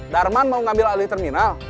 darman mau ngambil alih terminal